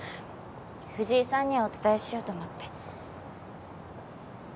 藤井さんにはお伝えしようと思って。